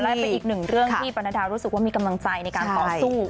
และเป็นอีกหนึ่งเรื่องที่ปรณดารู้สึกว่ามีกำลังใจในการต่อสู้